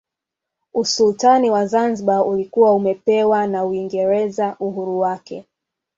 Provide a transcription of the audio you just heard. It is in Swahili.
Usultani wa Zanzibar ulikuwa umepewa na Uingereza uhuru wake